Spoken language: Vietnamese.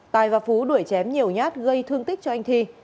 tài và phú đuổi chém nhiều nhát gây thương tích cho anh thi